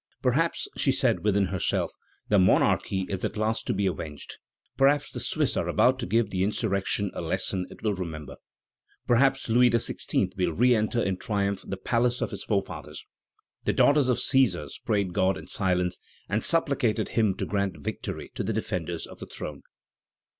Perhaps, she said within herself, the monarchy is at last to be avenged; perhaps the Swiss are about to give the insurrection a lesson it will remember; perhaps Louis XVI. will re enter in triumph the palace of his forefathers. The daughter of Cæsars prayed God in silence, and supplicated Him to grant victory to the defenders of the throne.